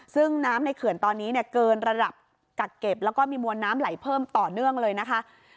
ซึ่งน้ำในเขื่อนตอนนี้เนี่ยเกินระดับกักเก็บแล้วก็มีมวลน้ำไหลเพิ่มต่อเนื่องเลยนะคะ